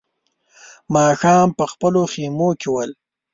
ماښام په خپلو خيمو کې ول.